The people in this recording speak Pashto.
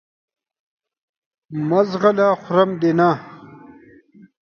مه ځغله خورم دې نه !